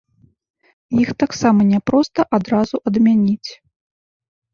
Іх таксама няпроста адразу адмяніць.